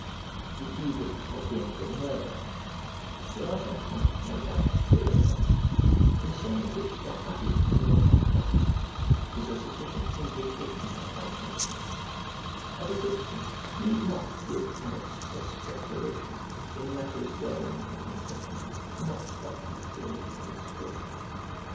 THE EDICT OF THE EMPEROR NERVA "There are some points no doubt, Quirites, concerning which the happy tenour of my government is a sufficient indication of my sentiments; and a good prince need not give an express declaration in matters wherein his intention cannot but be clearly understood.